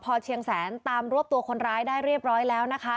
พอเชียงแสนตามรวบตัวคนร้ายได้เรียบร้อยแล้วนะคะ